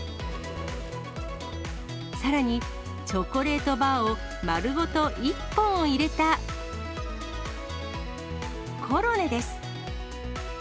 さらにチョコレートバーを丸ごと一本入れた、コロネです。